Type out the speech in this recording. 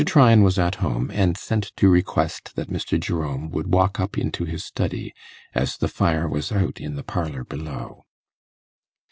Tryan was at home, and sent to request that Mr. Jerome would walk up into his study, as the fire was out in the parlour below.